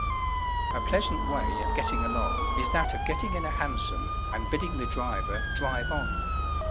A pleasant way of getting along is that of getting in a Hansom, and bidding the driver drive on.